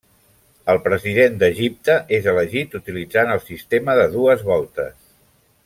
El president d'Egipte és elegit utilitzant el sistema de dues voltes.